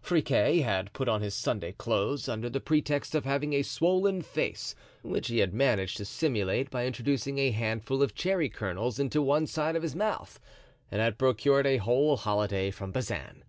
Friquet had put on his Sunday clothes, under the pretext of having a swollen face which he had managed to simulate by introducing a handful of cherry kernels into one side of his mouth, and had procured a whole holiday from Bazin.